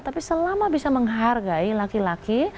tapi selama bisa menghargai laki laki